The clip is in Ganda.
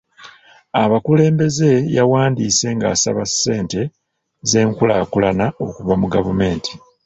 Abakulembeze yawandiise nga asaba ssente z'enkulaakulana okuva mu gavumenti.